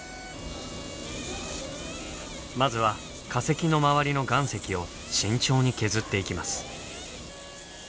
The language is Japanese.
まずは化石の周りの岩石を慎重に削っていきます。